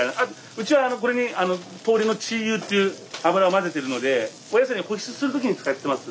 うちはこれに鶏の鶏油っていう油を混ぜてるのでお野菜に保湿する時に使ってます。